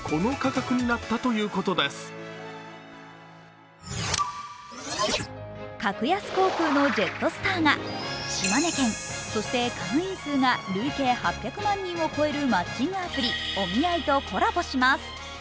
格安航空のジェットスターが島根県、そして会員数が累計８００万円を超えるマッチングアプリＯｍｉａｉとコラボします。